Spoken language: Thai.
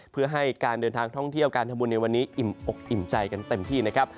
เพื่อให้การเดินทางท่องเที่ยวการทำบุญในวันนี้อิ่มอกอิ่มใจกันเต็มที่นะครับ